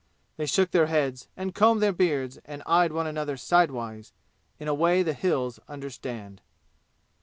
They shook their heads and combed their beards and eyed one another sidewise in a way the "Hills" understand.